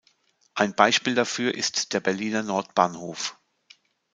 Ein Beispiel dafür ist der Berliner Nordbahnhof.